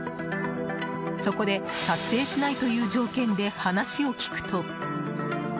そこで撮影しないという条件で話を聞くと。